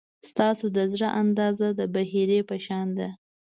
ستاسو د زړه اندازه د بحیرې په شان ده.